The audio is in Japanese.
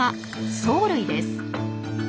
藻類です。